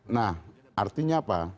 nah artinya apa